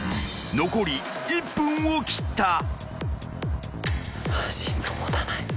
［残り１分を切った］